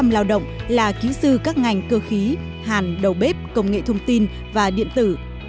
một trăm linh lao động là kỹ sư các ngành cơ khí hàn đầu bếp công nghệ thông tin và điện tử